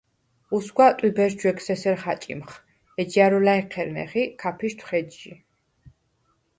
უსგვა, ტვიბერს ჯვეგს ესერ ხაჭიმხ, ეჯჲა̈რუ ლა̈ჲჴერნეხ ი ქაფიშთვხ ეჯჟი.